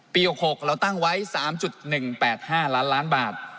ปี๖๖เราตั้งไว้๓๑๘๕ล้านล้านบาท